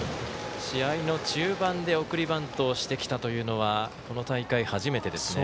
試合の中盤で送りバントをしてきたというのはこの大会初めてですね。